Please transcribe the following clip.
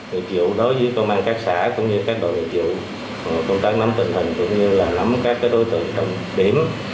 hiện vụ đối với công an các xã cũng như các đội hiện vụ công tác nắm tình hình cũng như là nắm các đối tượng trong điểm